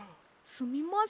すみません。